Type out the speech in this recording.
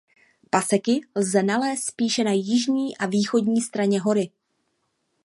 Paseky lze nalézt spíše na jižní a východní straně hory.